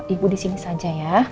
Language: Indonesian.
ibu di sini saja ya